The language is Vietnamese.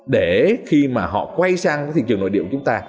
để khi mà họ quay sang thị trường nội địa của chúng ta